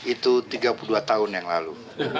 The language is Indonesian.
itu tiga puluh dua tahun yang lalu